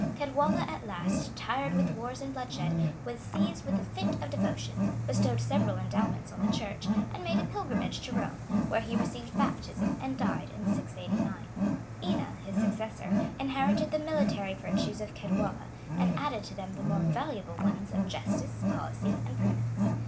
Ceodwalla at last, tired with wars and bloodshed, was seized with a fit of devotion; bestowed several endowments on the church; and made a pilgrimage to Rome, where he received baptism, and died in 689. Ina, his successor, inherited the military virtues of Ceodwalla, and added to them the more valuable ones of justice, policy, and prudence.